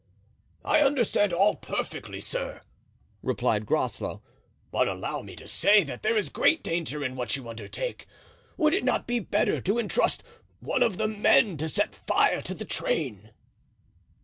"I understand all perfectly, sir," replied Groslow; "but allow me to say there is great danger in what you undertake; would it not be better to intrust one of the men to set fire to the train?"